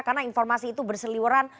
karena informasi itu berseliweran